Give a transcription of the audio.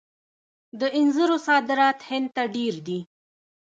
د انځرو صادرات هند ته ډیر دي.